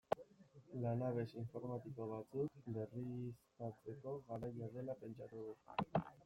Lanabes informatiko batzuk berriztatzeko garaia dela pentsatu dut.